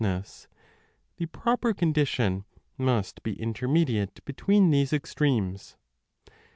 CHAPTER 6 8ia a the proper condition must be intermediate between these extremes.